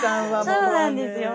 そうなんですよ。